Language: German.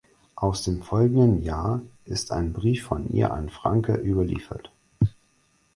Aus dem folgenden Jahr ist ein Brief von ihr an Francke überliefert.